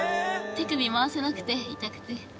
手首回せなくて痛くて。